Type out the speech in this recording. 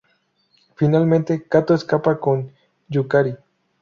Finalmente, Kato escapa con Yukari.